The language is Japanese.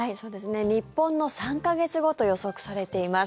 日本の３か月後と予測されています。